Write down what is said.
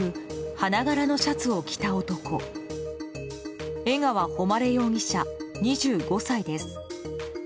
花柄のシャツを着た男江川誉容疑者、２５歳です。